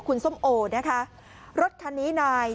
กลุ่มตัวเชียงใหม่